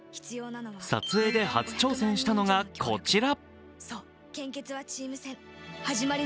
撮影で初挑戦したのがこちら。